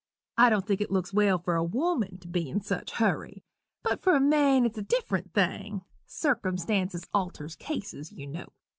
I don't think it looks well for a woman to be in such a hurry but for a man it's a different thing circumstances alters cases, you know.